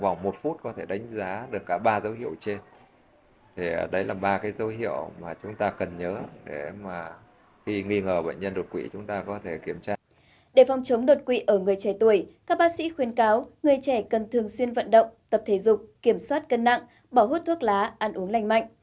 vì ở người trẻ tuổi các bác sĩ khuyên cáo người trẻ cần thường xuyên vận động tập thể dục kiểm soát cân nặng bỏ hút thuốc lá ăn uống lành mạnh